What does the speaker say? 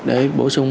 để bổ sung